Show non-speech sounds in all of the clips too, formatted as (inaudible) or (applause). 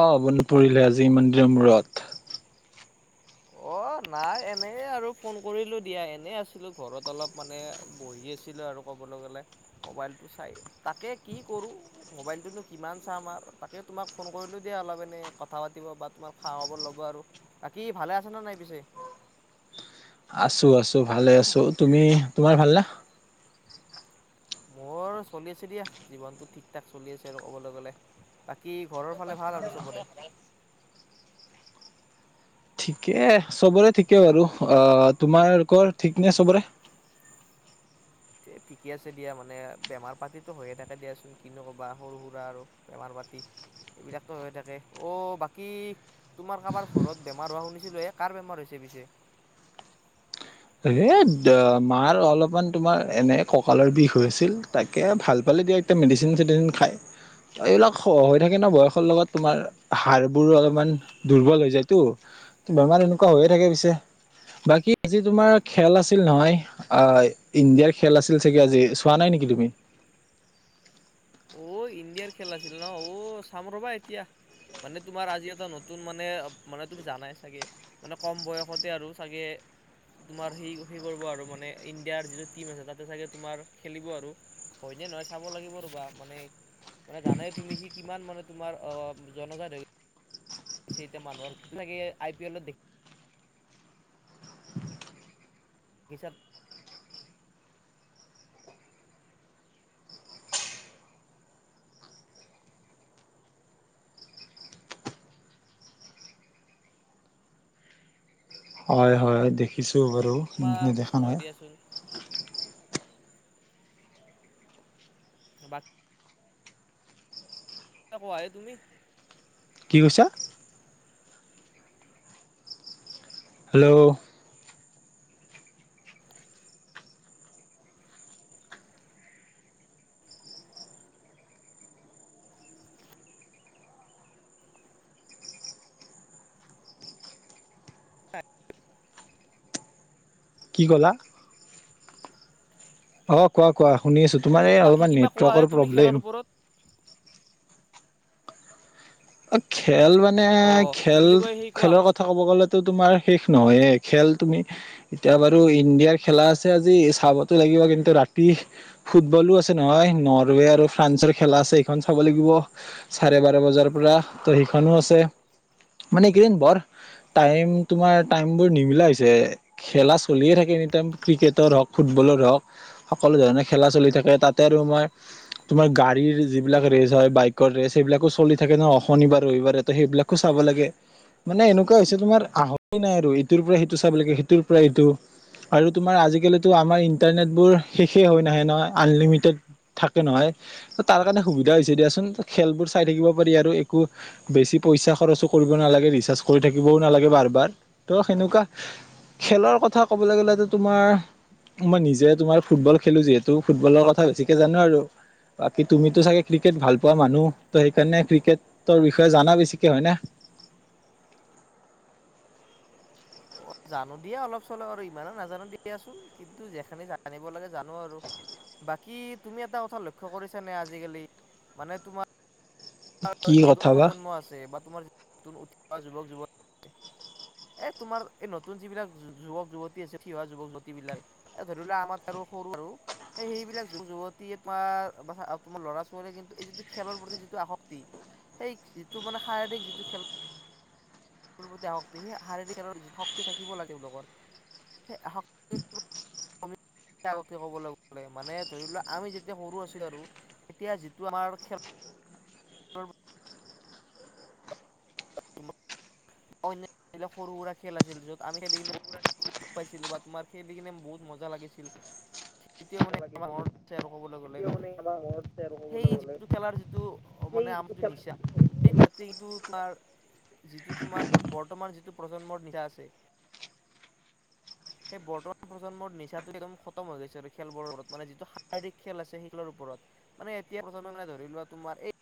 অঁ, মনত পৰিলে আজি ইমান দিনৰ মূৰত। উ (inaudible) অ', নাই এনেই আৰু ফোন কৰিলো দিয়া, এনে আছিলো ঘৰত অলপ মানে বহি আছিলো আৰু ক (inaudible) তোমাক ফোন কৰিলো দিয়া অলপ এনেই কথা পাতিব বা তোমাক খা খবৰ ল'ব আৰু বাকী ভালে আছেনে নাই পিছে? আছোঁ আছোঁ ভালে আছোঁ। তুমি তোমাৰ ভালনে? মোৰ চলি আছে দিয়া জীৱনটো ঠিক - ঠাক চলি আছে আৰু ক'বলৈ গ'লে বাকী ঘৰৰ ফালে ভাল আৰু চবৰে? আৰু ঠিকে চবৰে ঠিকে বাৰু। অ' তোমালোকৰ ঠিক নে চবৰে? ঠিকে আছে দিয়া মানে বেমাৰ পাতিতটো হৈয়ে থাকে দিয়াচোন কিনো ক'বা সৰু সুৰা আৰু বেমাৰ পাতি। এইবিলাকতো হৈ থাকে, অ' বাকী তোমাৰ কাৰোবাৰ ঘৰত বেমাৰ হোৱা শুনিছিলো এ' কাৰ বেমাৰ হৈছে? পিছে - - (inaudible) এ' মাৰ অলপমান তোমাৰ এনে কঁকালৰ বিষ হৈ আছিল তাকে ভাল পালে দি এতিয়া, মেডিচিন - চেডিচিন খায়। এইবিলাক হৈ থাকে ন বয়সৰ লগত তোমাৰ হড়বোৰো অলপমান দুৰ্বল হৈ যায়তো। বেমাৰ এনেকুৱা হৈয়ে থাকে পিছে, বাকী আজি তোমাৰ খেল আছিল নহয় ইণ্ডিয়াৰ খেল আছিল চাগে আজি চোৱা নাই নেকি তুমি? (inaudible) অ' ইণ্ডিয়াৰ খেল আছিল ন অ চাম ৰ'বা এতিয়া। মানে তোমাৰ আজি এটা নতুন মানে মানে তুমি জানাই চাগে মানে কম বয়সতে আৰু চাগে তোমাৰ সেই সেই কৰিব আৰু মানে ইণ্ডিয়াৰ যিটো টিম আছে তাতে চাগে তোমাৰ খেলিব আৰু। হয়নে নহয় চাব লাগিব ৰবা মানে মানে জানে তুমি সি কিমান মানে তোমাৰ অহ জনজাত হৈ চিতে মানুহৰ কিবাকে ইপি এল দেখ সিচাত হয় হয় দেখিছো বাৰু, তোমাৰ শেষ নেদেখা নহয়। দিয়াচোন কিবাত (unintelligible) কোৱা হে তুমি কি কৈছা? হেল্ল' কি কলা? অ কোৱা? কোৱা শুনি আছোঁ অ তোমাৰ এই বাকী অলপমান কিবা কোৱা হে নেটৱৰ্কৰ তুমি খেলৰ প্ৰব্লেম। ওপৰত অ খেল মানে অ কি খেল বুলি কয় সেই কোৱা খেলৰ কথা ক'ব গ'লে তো তোমাৰ শেষ নহয় এ খেল তুমি এতিয়া বাৰু ইণ্ডিয়াৰ খেলা আছে আজি চাবতো লাগ গিব। কিন্তু ৰাতি ফুটবলো আছে নহয় নৰৱে আৰু ফ্ৰান্সৰ খেলা আছে এইখন চাব লাগিব। চাৰে বাৰ বজাৰ পৰা ত সেইখনো আছে মানে কেইদিন বৰ টাইম তোমাৰ টাইমবোৰ নিমিলা হৈছে খেলা চলিয়ে থাকে এনি টাইম ক্ৰিকেটত হওক ফুট বলৰ হওক সকলো ধৰণে খেলা চলি থাকে তাতে আৰু মই তোমাৰ গাড়ীৰ যিবিলাক ৰেচ হয় বাইকৰ ৰেচ সেইবিলাকো চলি থাকে ন। শনিবাৰ ৰবিবাৰে সেইবিলাকো চাব লাগে। মানে এনেকুৱা হৈছে তোমাৰ আহৰি নাই আৰু ইটোৰ পৰা সেইটো চাব লাগে সিটোৰ পৰা ইটো। আৰু তোমাৰ আজিকালিতো আমাৰ ইণ্টাৰনেটবোৰ শেষ হয় নাহে নহয়, আনলিমিটেড থাকে নহয়। তাৰ কাৰণে সুবিধা হৈছে দিয়াচোন খেলবোৰ চাই থাকিব পাৰি আৰু একো বেছি পইচা খৰচো কৰিব নালাগে ৰিচাৰ্জ কৰি থাকিবও নালাগে বাৰ বাৰ ত' সেনকুৱা খেলৰ কথা ক'বলৈ গ'লেটো তোমাৰ মই নিজে তোমাৰ ফুটবল খেলো যিহেতু ফুটবলৰ কথা বেছিকে জানো আৰু। বাকী তুমিতো চাগে ক্ৰিকেট ভাল পোৱা মানুহ। ত' সেইকাৰণে ক্ৰিকেট তৰ বিষয়ে জানা বেছিকে হয় নে? অঁ জানো দিয়া অলপ চলপ আৰু ইমানো নাজানো দিয়াচোন কিন্তু যেখিনি জানিব লাগে জানো আৰু বাকী তুমি এটা কথা লক্ষ্য কৰিছানে আজিকালি মানে তোমা কি মাৰ এটো কথা বা প্ৰজন্ম আছে বা তোমাৰ (unintelligible) উঠিওৱ যুৱক যুৱতি এ তোমাৰ এই নতুন যিবিলাক যুৱক যুৱতী আছে। উঠি অহা যুৱক যুৱতী বিলাক এ ধৰি ল আমাৰ আৰু সৰু‌ আৰু এই সেইবিলাক যুৱক যুৱতী তোমাৰ বা আ তোমাৰ ল'ৰা ছোৱালীয়ে কিন্তু এই যিটো খেলৰ প্ৰতি যিটো আসক তি সেই যিটো মানে শাৰীৰিক যিটো খেল তেওঁ শক্তি শাৰীৰিক খেলৰ যিটো শক্তি থাকিব লাগে তেওঁলোকৰ সেই শক্তি আগতে ক'বলৈ গ'লে, মানে ধৰি লোৱা আমি যেতিয়া সৰু আছিলো আৰু তেতিয়া যিটো আমাৰ খেল লৰ অন্য সৰু সুৰা খেল আছিল য'ত আমি খেলিকেনে দুখ পাইছিলো বা তোমাৰ খেলি কিনে বহুত মজা লাগিছিল এতিয়াও মানে আমাৰ মনত আছে আৰু ক'বলৈ গ'লে সেই যিটো খেলাৰ যিটো মানে আমৰ যিটো নিচা সেই নিচাটো তোমাৰ যিটো তোমাৰ। আমাৰ যিটো প্ৰজন্মৰ (unintelligible) আছে (inaudible) সেই বৰ্তমান প্ৰজন্মৰ নিচাটো একদম খতম হৈ গৈছে আৰু খেলবোৰৰত মানে যিটো শাৰীৰিক খেল আছে সেই খিলৰ ওপৰত। মানে এতিয়া প্ৰথমে মানে ধৰি লোৱা তোমাৰ এই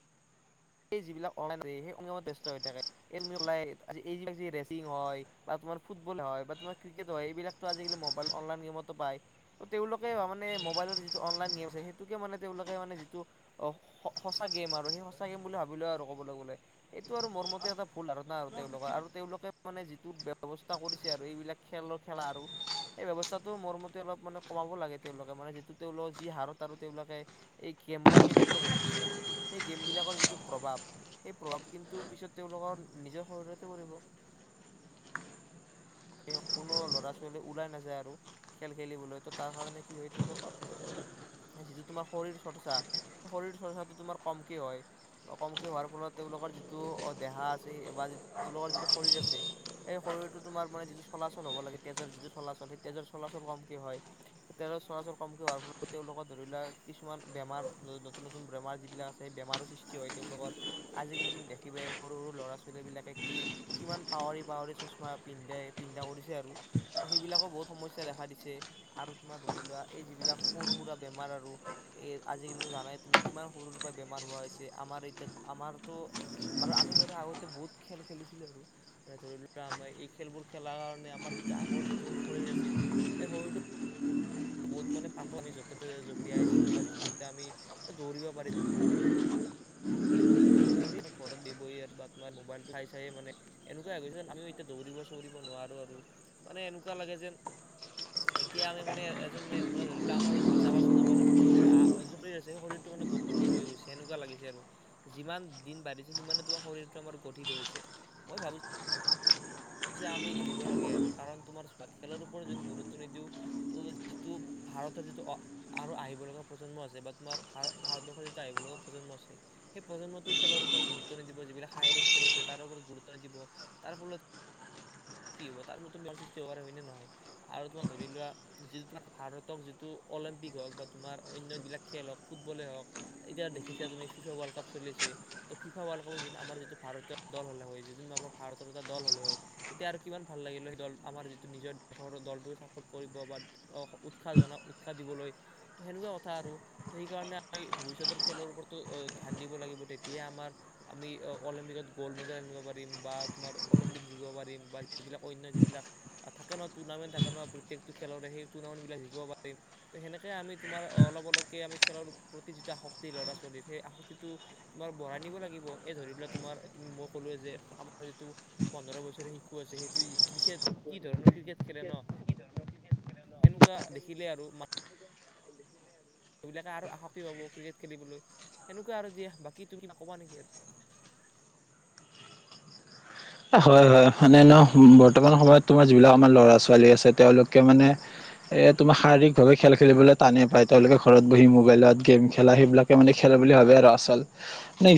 এই যিবিলাক অনলাইন সেইলত (inaudible) ব্যস্ত হৈ থাকে এই (inaudible) লাই আজি এইিলাক য ৰেচিং হয় তোমাৰ ফুটবল হয় বা তোমাৰ ক্ৰিকেট হয় এইবিলাকটো আজিকালি মোবাইল অনলাইন গেমতো পায়, ত তেওঁলোকে মানে ম'বাইলৰ যিটো অনলাইন গেম আছে সেইটোকে মানে তেওঁলোকে মানে যিটো স-সঁচা গেম আৰু সেইঁ থাকিম বুলি ভাবি লওঁ আৰু ক'বলৈ গ'লে, এইটো আৰু মোৰ মতে এটা ভুল ধাৰণা আৰু তেওঁলোকৰ আৰু তেওঁলোকে মানে যিটো ব্যৱস্থা কৰিছে আৰু এইবিলাক খেলৰ খেলা আৰু এই ব্যৱস্থাটো মৰমতে অলপ মানে কমাব লাগে তেওঁলোকে, মানে যিটো তেওঁলোকৰ যি হাৰত আৰু তেওঁলোকে এই গেমবোৰ খেলিবলৈ ধৰিছে সেই গেম বিলাকৰ যিটো প্ৰভাৱ সেই প্ৰভাৱ কিন্তু পিছত তেওঁলোকৰ নিজৰ শৰীৰতে পৰিব। (inaudible) কোনো ল'ৰা ছোৱালী ওলাই নাযায় আৰু খেল খেলিবলৈ তো তাৰ কাৰণে কি হয় তেওঁলোকৰ যিটো তোমাৰ শৰীৰ চৰ্চা শৰীৰ চৰ্চাটো তোমাৰ কমকে হয়। কমকে হোৱাৰ ফলত তেওঁলোকৰ যিটো অ দেহা আছে বা তেওঁলোকৰ যিটো শৰীৰ আছে সেই শৰীৰটো তোমাৰ মানে যিটো চলাচল হব লাগে তেজৰ যিটো চলাচল সেই তেজৰ চলাচল কমকে হয়, তেজৰ চলাচল কমকি হোৱাৰ তেওঁলোকৰ ধৰি লোৱা কিছুমান বেমাৰ নতুন নতুন বেমাৰ যিবিলাক আছে সেই বেমাৰো সৃষ্টি হয় তেওঁলোকৰ। আজিকালি তুমি দেখিবা সৰু সৰু ল'ৰা ছোৱালী বিলাকে কি কিমান পাৱাৰী পাৱাৰী চশমা পিন্ধাই পিন্ধা কৰিছে আৰু ত সেইবিলাকো বহুত সমস্যা দেখা দিছে আৰু তোমাৰ ধৰি লোৱা এই যিবিলাক বিলাক সৰু সুৰা বেমাৰ আৰু এ আজিকালি জানাই তুমি কিমান সৰুৰ পৰা বেমাৰ হোৱা হৈছে আমাৰ এতিয়া আমাৰতো বাৰু আমি বাৰু আগতে বহুত খেল খেলিছিলো আৰু ধৰি লোৱা আমাৰ এই খেলবোৰ খেলাৰ কাৰণে আমাৰ যিটো আগৰ যিটো শৰীৰ আছিল সেই শৰীৰটো বহুত মানে পাতো আমি য'ত ততে জঁপিয়াই আহিছিলোঁ বা য'তে আমি দৌৰিব পাৰি কিন্তু আমি ঘৰত বহি বহি আৰু বা তোমাৰ মোবাইলটো চাই চাইয়ে মানে এনেকুৱা হৈ গৈছে আমি এতিয়া দৌৰিব চৰিব নোৱাৰো আৰু মানে এনেকুৱা লাগে যেন এতিয়া আমি মানে এজন মানে ধৰি লোৱা আমাৰ চাবা চোন আমাৰ যিটো গা য শৰীৰ আছে সেই শৰীৰটো মানে গধীৰ হৈ গৈছে এনেকুৱা লাগিছে আৰু। যিমান দিন বাঢ়িছে সিমানে তোমাৰ শৰীৰটো আমাৰ গধিৰ হৈ গৈছে, মই ভাবো যে আমি এৰিব লাগে আৰু কাৰণ তোমাৰ চোৱা খেলৰ ওপৰত যোন গুৰুত্ব নিদিওঁ ত যিটো ভাৰতৰ যিটো আৰু আহিব লগা প্ৰজন্ম আছে বা তোমাৰ ভা-ভাৰতবৰ্ষৰ যিটো আহিব লগা প্ৰজন্ম আছে সেই প্ৰজন্মটো খেলৰ ওপৰত গুৰুত্ব নিদিব যিবিলাক শাৰীক খেল আছে তাৰ ওপৰত গুৰুত্ব নিদিব তাৰ ফলত (inaudible) কি হ'ব তাৰ নতুন মাৰ সৃষ্টি হব পাৰে হয়নে নহয়, আৰু তোমাৰ ধৰি লোৱা যিটো ভাৰতক যিটো অলিম্পিক হওঁক বা তোমাৰ অন্যবিলাক খেল হওঁক, ফুটবলে হওঁক, এতিয়া দেখিছা তুমি ফিফা ৱৰ্ল্ড কাপ চলি আছে। ত ফিফা ৱৰ্ল্ড কাপত আমাৰ যিটো ভাৰতীয় দল হ'লে হয়, যিটো আমাৰ ভাৰতৰ দল হ'লে হয়, তেতিয়া আৰু কিমান ভাল লাগিলে হয়, সেই দল আমাৰ যিটো নিজৰ দেশৰ দলটোৱে চাপৰ্ট কৰিব বা, উৎসাহ জনা উৎসাহ দিবলৈ ত সেনেকুৱা কথা আৰু, ত সেইকাৰণে আমি ভৱিষ্যতৰ খেলৰ ওপৰতো অ ধ্যান দিব লাগিব, তেতিয়া আমাৰ আমি অলিম্পিকত গ'ল্ড মেডেল আনিব পাৰিম বা তোমাৰ অলিম্পিক জিকিব পাৰিম বা যিবিলাক অন্য যিবিলাক থাকে ন, টৰ্ণামেণ্ট থাকে ন, প্ৰত্যেকটো খেলৰে সেই বিলাক শিকিব পাৰিম, ত সেনেকে আমি তোমাৰ অলপ অলপ কে আমি খেলৰ প্ৰতি যিটো আসক্তি ল'ৰা ছোৱালী সে আসক্তিটো তোমাৰ বঢ়াই নিব লাগিব, এই ধৰি লোৱা তোমাৰ তুমি মই কলোৱে যে পোন্ধৰ বছৰে শিশু আছে, সেইটোৱে ক্ৰিকেট, কি ধৰণৰ ক্ৰিকেট খেলে ন। সেনেকুৱা দেখিলে আৰু মা সেইবিলাকে আৰু আসক্তি পাব ক্ৰিকেট খেলিবলৈ, সেনেকুৱা আৰু দিয়া বাকী তুমি নক'বা নেকি আৰু? (inaudible) হয়, হয়, মানে ন বৰ্তমান সময়ত তোমাৰ যিবিলাক আমাৰ লৰা ছোৱালী আছে, তেওঁলোকে মানে এ তোমাৰ শাৰীৰিক ভাৱে খেল খেলিবলৈ টানে পায়, তেওঁলোকে ঘৰত বহি মোবাইলত গেম খেলা সেইবিলাকে মানে খেলা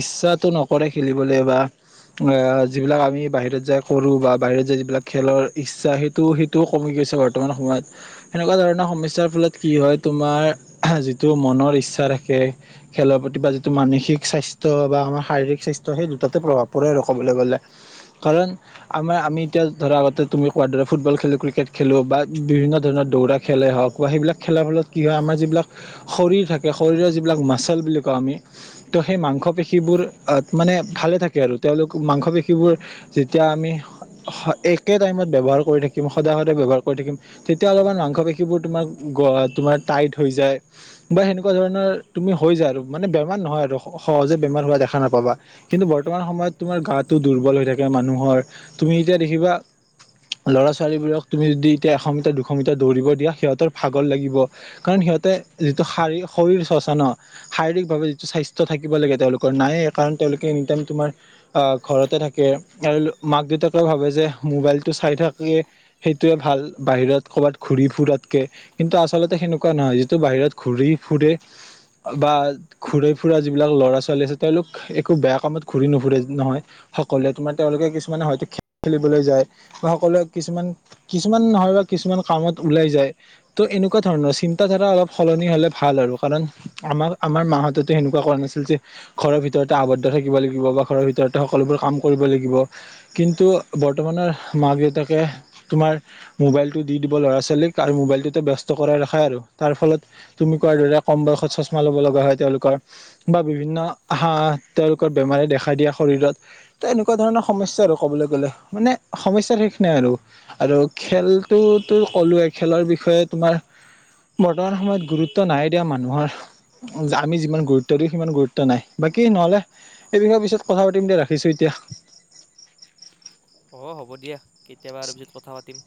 ইচ্ছাটো নকৰে খেলিবলৈ বা, আ যিবিলাক আমি বাহিৰত যাই কৰো বা বাহিৰত যাই যিবিলাক খেলৰ ইচ্ছা, সেইটো সেইটোও কমি গৈছে বৰ্তমান সময়ত। সেনেকুৱা ধৰণৰ সমস্যাৰ ফলত কি হয় তোমাৰ যিটো মনৰ ইচ্ছা থাকে, খেল প্ৰতি বা যিটো মানসিক স্বাস্থ্য বা আমাৰ শাৰীৰিক স্বাস্থ্য, সেই দুটাতে প্ৰভাৱ পৰে আৰু কবলে গ'লে। (unintelligible) কাৰণ আমাৰ আমি এতিয়া ধৰা আগতে তুমি কোৱাৰ দৰে ফুটবল খেলোঁ, ক্ৰিকেট খেলোঁ, বা বিভিন্ন ধৰণৰ কুৰা খেলে হওঁক বা সেইবিলাক খেলাৰ ফলত কি হয়, আমাৰ যিবিলাক শৰীৰ থাকে, শৰীৰৰ যিবিলাক মাচল বুলি কওঁ আমি, ত সেই মাংস পেশীবোৰ মানে ভালে থাকে আৰু, তেওঁলোক মাংস পেশী সিবোৰ যেতিয়া আমি একে টাইমত ব্যৱহাৰ কৰি থাকিম সদায় সদায় ব্যৱহাৰ কৰি থাকিম তেতিয়া অলপমান মাংস পেশিবোৰ তোমাৰ তোমাৰ টাইট হৈ যায়। বা সেনেকুৱা ধৰণৰ তুমি হৈ যায় আৰু মানে বেমাৰ নহয় আৰু সহজে বেমাৰ হোৱা দেখা নাপাবা কিন্তু বৰ্তমান তোমাৰ সময় তোমাৰ গাত থাকে মানুহৰ তুমি এতিয়া দেখিবা ল'ৰা ছোৱালীবোৰক তুমি যদি এতিয়া এশ মিটাৰ দুশ মিটাৰ দৌৰিব দিয়া সিহঁতৰ ভাগৰ লাগিব কাৰণ সিহতে যিটো শ শৰীৰ চৰ্চা ন শাৰীৰিক ভাৱে যিটো স্বাস্থ্য থাকিব লাগে তেওঁলোকৰ নায়ে কাৰণ তেওঁলোকে এনি টাইম তোমাৰ ঘৰতে থাকে আৰু মাক দেউতাকেও ভাবে যে মোবাইলতটো চাই থাকলিয়ে সেইটোৱে ভাল। বাহিৰত কৰ'বাত ঘূৰি-ফুৰাতকে কিন্তু আচলতে সেনেকুৱা নহয় যিটো বাহিৰত ঘূৰি ফুৰে। বা ঘূৰি-ফুৰা যিবিলাক ল'ৰা-ছোৱালী আছে তেওঁলোক একো বেয়া কামত ঘূৰি নুফুৰে নহয়। সকলোৱে তোমাৰ তেওঁলোকে কিছুমানে হয়তো খেল খেলিবলৈ যায়, বা সকলোৱে কিছুমান কিছুমান নহ কিছুমান কামত ওলাই যায়, ত' এনেকুৱা ধৰণৰ চিন্তা ধাৰা অলপ সলনি হলে ভাল আৰু। কাৰণ, আমাক আমাৰ মাহতেতো সেনেকুৱা কোৱা নাছিল যে ঘৰৰ ভিতৰতে আৱদ্ধ থাকিব লাগিব বা ঘৰৰ ভিতৰত সকলোবোৰ কাম কৰিব লাগিব কিন্তু বৰ্তমানৰ মাক দেউতাকে তোমাৰ মবাইল টো দি দিব ল'ৰা ছোৱালীক আৰু মোবাইলটোতে ব্যস্ত কৰাই ৰাখে আৰু তাৰ ফলত তুমি কোৱাৰ দৰে কাম বন ষত চছমা লব লগা হয় তেওঁলোকৰ বা বিভিন্ন আহা তেওঁলোকৰ বেমাৰে দেখা দিয়া শৰীৰত ত এনেকুৱা ধৰণৰ সমস্যা আৰু ক'বলৈ গলে মানে সমস্যাৰ শেষ নাই আৰু আৰু খেলটোতো ক'লোৱে খেলৰ বিষয়ে তোমাৰ বৰ্তমান সময়ত গুৰুত্ব নাই দিয়া মানুহৰ। আমি যিমান গুৰুত্ব দিওঁ, সিমান গুৰুত্ব নাই। বাকী নহলে এই বিষয়ে পিছত কথা পাতিম দিয়া ৰাখিছোঁ এতিয়া। অঁ হ'ব দিয়া, কেতিয়াবা আৰু পিছত কথা পাতিম।